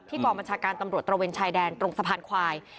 กองบัญชาการตำรวจตระเวนชายแดนตรงสะพานควาย